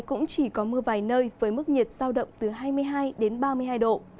cũng chỉ có mưa vài nơi với mức nhiệt giao động từ hai mươi hai đến ba mươi hai độ